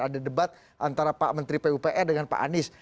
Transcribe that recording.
ada debat antara pak menteri pupr dengan pak anies